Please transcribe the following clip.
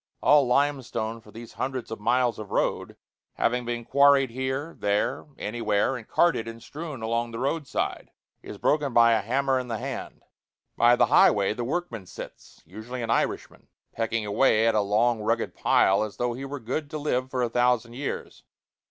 All limestone for these hundreds of miles of road, having been quarried here, there, anywhere, and carted and strewn along the road side, is broken by a hammer in the hand. By the highway the workman sits usually an Irishman pecking away at a long rugged pile as though he were good to live for a thousand years.